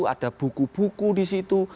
ada buku buku disitu